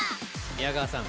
宮川さん！